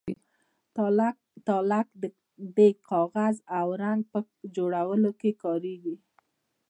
تالک د کاغذ او رنګ په جوړولو کې کاریږي.